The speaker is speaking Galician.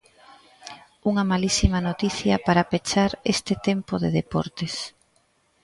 Unha malísima noticia para pechar este tempo de deportes.